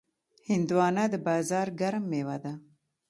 هندوانه د بازار ګرم میوه ده.